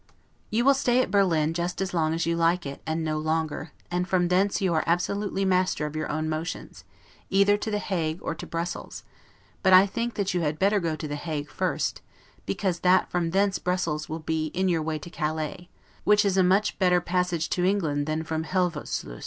You will stay at Berlin just as long as you like it, and no longer; and from thence you are absolutely master of your own motions, either to The Hague, or to Brussels; but I think that you had better go to The Hague first, because that from thence Brussels will be in your way to Calais, which is a much better passage to England than from Helvoetsluys.